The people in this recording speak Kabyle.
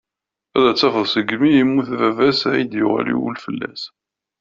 Ad tafeḍ segmi i yemmut baba-s i ay-d-yuɣal wul fall-as.